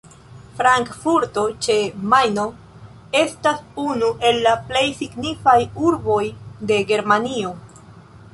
Frankfurto ĉe Majno estas unu el la plej signifaj urboj de Germanio.